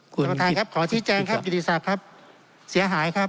ถึงย่าจริงก็ตามแต่ว่าเก่าหาข้อมีความวิธิภาคศาชัดเรียบร้อยนะครับ